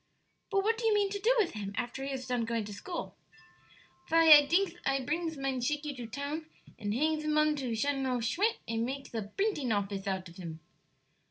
But what do you mean to do with him after he is done going to school?" "Vy, I dinks I prings mine Shakey to town and hangs him on to Sheneral Shmicdt and makes a brinting office out of him."